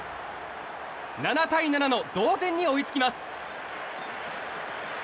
７対７の同点に追いつきます。